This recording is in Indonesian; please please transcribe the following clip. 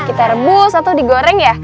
kita rebus atau digoreng ya